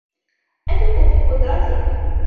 أثق في قدرتك.